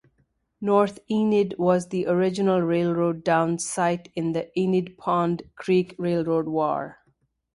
North Enid was the original railroad town site in the Enid-Pond Creek Railroad War.